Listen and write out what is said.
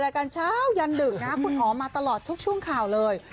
รายการเช้ายันดึกนะคุณหอมมาตลอดทุกช่วงข่าวเลย